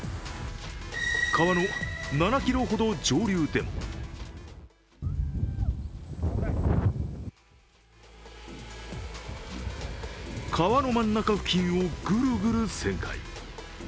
川の７ｋｍほど上流でも川の真ん中付近をグルグル旋回。